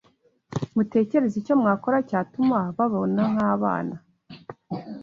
mutekereze icyo mwakora cyatuma bababona nk’abana